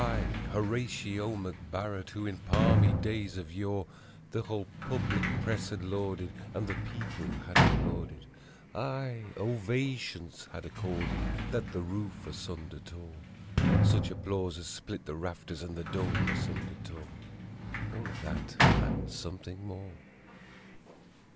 I, Horatio MacBarret, who in palmy days of yore, The whole public press had lauded and the people had applauded Aye, ovations had accorded that the roof asunder tore Such applause as split the rafters and the dome asunder tore: All of that and something more.